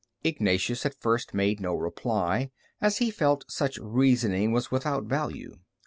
Ignatius at first made no reply, as he felt such reasoning was without value.